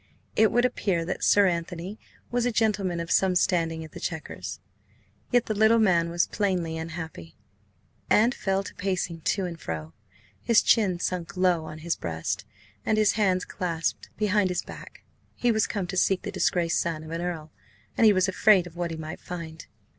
It would appear that Sir Anthony was a gentleman of some standing at the Chequers. Yet the little man was plainly unhappy, and fell to pacing to and fro, his chin sunk low on his breast, and his hands clasped behind his back. He was come to seek the disgraced son of an Earl, and he was afraid of what he might find.